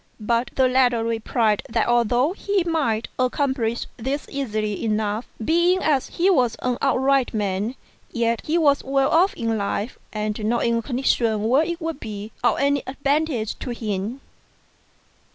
X, note 8. VOL. I. K 130 STRANGE STORIES the latter replied that although he might accomplish this easily enough, being as he was an upright man, yet he was well off in life, and not in a condition where it would be of any advantage to him.